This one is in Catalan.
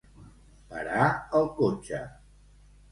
Parar el cotxe.